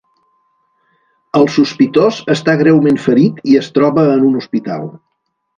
El sospitós està greument ferit i es troba en un hospital.